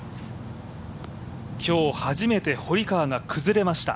今日初めて堀川が崩れました。